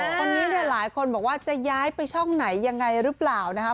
คนนี้เนี่ยหลายคนบอกว่าจะย้ายไปช่องไหนยังไงหรือเปล่านะคะ